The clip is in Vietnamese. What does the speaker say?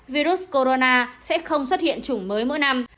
virus corona sẽ không xuất hiện chủng mới mỗi năm